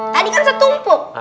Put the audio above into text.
tadi kan setumpuk